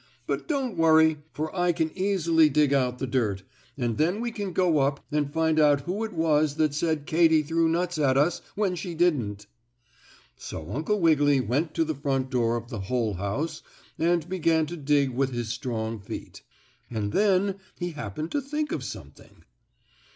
"But don't worry, for I can easily dig out the dirt, and then we can go up and find out who it was that said Katy threw nuts at us when she didn't." So Uncle Wiggily went to the front door of the hole house and began to dig with his strong feet. And then he happened to think of something.